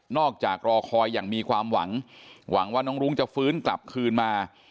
อกจากรอคอยอย่างมีความหวังหวังว่าน้องรุ้งจะฟื้นกลับคืนมา